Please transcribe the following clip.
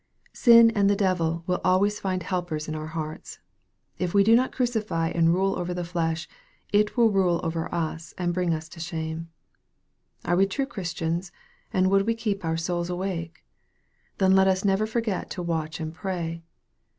Sin and the devil will always find helpers in our hearts. If we do not crucify and rule over the flesh, it will often rule over us and bring us to shame. Are we true Christians, and would we keep our souls awake ? Then let us never forget to "watch and pray."